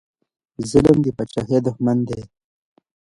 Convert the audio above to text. ظلم د پاچاهۍ دښمن دی